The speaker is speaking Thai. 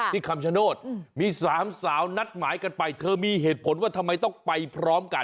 คำชโนธมี๓สาวนัดหมายกันไปเธอมีเหตุผลว่าทำไมต้องไปพร้อมกัน